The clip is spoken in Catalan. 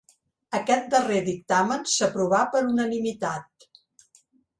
Aquest darrer dictamen s'aprovà per unanimitat.